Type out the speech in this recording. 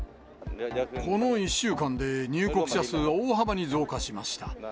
この１週間で、入国者数は大幅に増加しました。